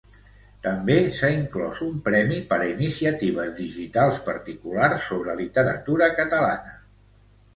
També, s'ha inclòs un premi per a iniciatives digitals particulars sobre literatura catalana.